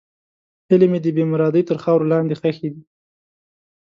هیلې مې د بېمرادۍ تر خاورو لاندې ښخې دي.